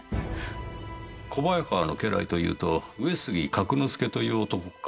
小早川の家来というと上杉角之助という男か？